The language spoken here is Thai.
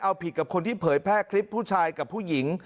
เอาผิดกับคนที่เผยแพร่คลิปผู้ชายกับผู้หญิง